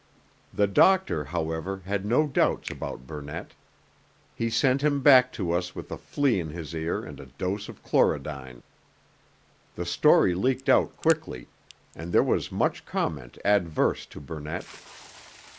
The doctor, however, had no doubts about Burnett; he sent him back to us with a flea in his ear and a dose of chlorodyne. The story leaked out quickly, and there was much comment adverse to Burnett.